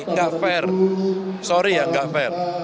enggak fair sorry ya enggak fair